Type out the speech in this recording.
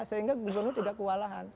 sehingga gubernur tidak kewalahan